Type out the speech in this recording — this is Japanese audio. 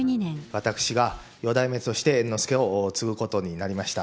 私が四代目として猿之助を継ぐことになりました。